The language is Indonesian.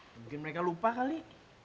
mungkin mereka lupa kali